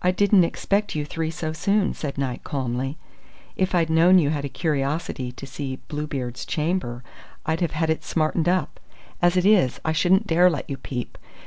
"I didn't expect you three so soon," said Knight, calmly. "If I'd known you had a curiosity to see Bluebeard's Chamber, I'd have had it smartened up. As it is, I shouldn't dare let you peep.